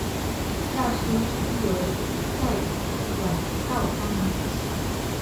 驾车需由再转林道方能抵达。